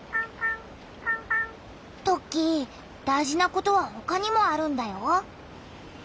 トッキー大事なことはほかにもあるんだよ。